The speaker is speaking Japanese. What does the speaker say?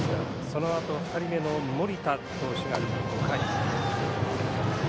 そのあと２人目の森田投手が５回。